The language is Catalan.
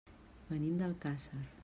Venim d'Alcàsser.